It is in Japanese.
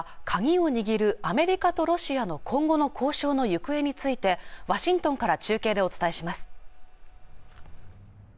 鍵を握るアメリカとロシアの今後の交渉の行方についてワシントンから中継でお伝えします